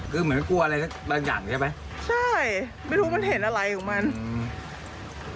คือเหมือนกลัวอะไรสักบางอย่างใช่ไหมใช่ไม่รู้มันเห็นอะไรของมันอืม